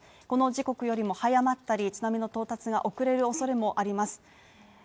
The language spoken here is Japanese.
この時刻よりも早まったり津波の到達が遅れる恐れもあります。